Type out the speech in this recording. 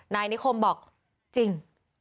นายนิคมบอกจริง